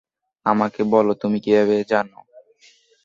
আমাকে বলো তুমি কীভাবে জানো?